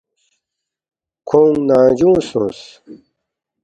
کھونگ ننگجونگ سونگس